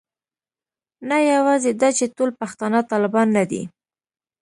نه یوازې دا چې ټول پښتانه طالبان نه دي.